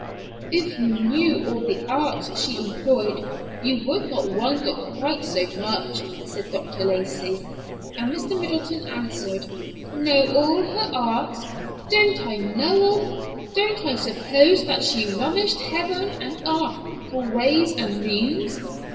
"If you knew all the arts she employed, you would not wonder quite so much," said Dr. Lacey. And Mr. Middleton answered, "Know all her arts? Don't I know 'em? Don't I know that she rummaged heaven and arth for ways and means?"